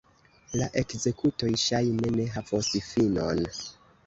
La ekzekutoj ŝajne ne havos finon.